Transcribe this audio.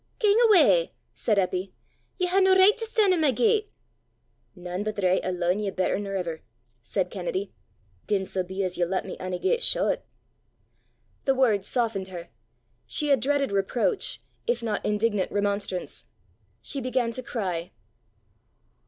"Gang awa," said Eppy. "Ye hae no richt to stan' i' my gait!" "Nane but the richt o' lo'ein' ye better nor ever!" said Kennedy, " gien sae be as ye'll lat me ony gait shaw 't!" The words softened her; she had dreaded reproach, if not indignant remonstrance. She began to cry.